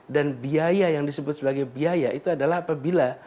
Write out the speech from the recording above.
dan biaya yang disebut sebagai biaya itu adalah apabila